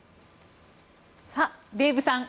さあ、デーブさん